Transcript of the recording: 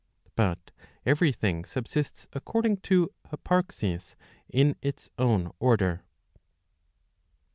But every thing subsists according to hyparxis in its own order.